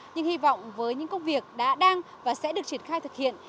nhưng hy vọng với những công việc đã đang và sẽ được triển khai thực hiện